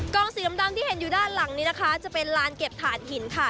องสีดำที่เห็นอยู่ด้านหลังนี้นะคะจะเป็นลานเก็บถ่านหินค่ะ